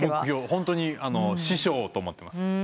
ホントに師匠と思ってます。